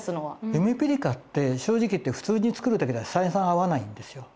ゆめぴりかって正直言って普通に作るだけじゃ採算合わないんですよ。